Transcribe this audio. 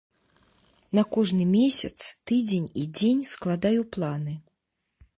На кожны месяц, тыдзень і дзень складаю планы.